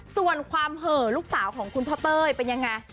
ส่วนความเห่อลูกสาวของคุณพ่อเต้ยเป็นยังไง